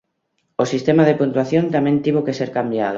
O sistema de puntuación tamén tivo que ser cambiado.